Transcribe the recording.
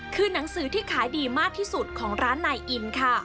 คือหนังสือที่ขายดีมากที่สุดของร้านนายอินค่ะ